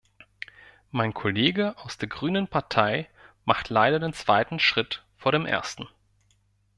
Mein Kollege aus der grünen Partei macht leider den zweiten Schritt vor dem ersten.